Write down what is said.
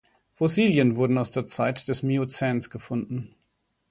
Fossilien wurden aus der Zeit des Miozäns gefunden.